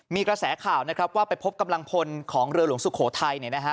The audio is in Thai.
มีกระแสข่าวนะครับว่าไปพบกำลังพลของเรือหลวงสุโขทัย